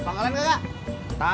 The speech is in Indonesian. por called pengajian kak kak